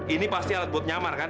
ini pasti alat boot nyamar kan